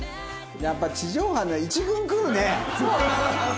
やっぱ地上波のは１軍来るね。